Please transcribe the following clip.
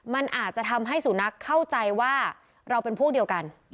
มันอาจจะทำให้สุนัขเข้าใจว่าเราเป็นพวกเดียวกัน